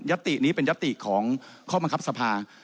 ตินี้เป็นยติของข้อบังคับสภา